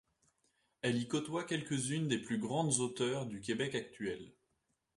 Elle y côtoie quelques-unes des plus grandes auteures du Québec actuel.